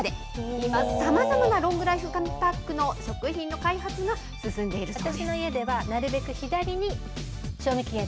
今、さまざまなロングライフ紙パックの食品の開発が進んでいるそうです。